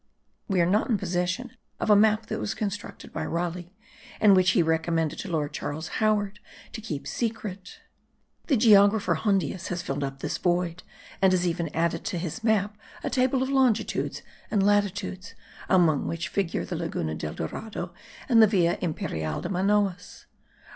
We are not in possession of a map that was constructed by Raleigh, and which he recommended to lord Charles Howard to keep secret. The geographer Hondius has filled up this void; and has even added to his map a table of longitudes and latitudes, among which figure the laguna del Dorado, and the Ville Imperiale de Manoas.